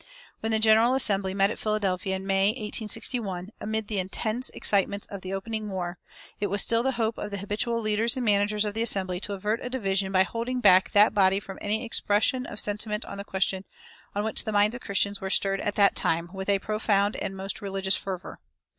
When the General Assembly met at Philadelphia in May, 1861, amid the intense excitements of the opening war, it was still the hope of the habitual leaders and managers of the Assembly to avert a division by holding back that body from any expression of sentiment on the question on which the minds of Christians were stirred at that time with a profound and most religious fervor.